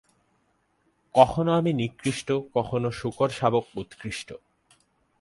কখনও আমি নিকৃষ্ট, কখনও শূকরশাবক উৎকৃষ্ট।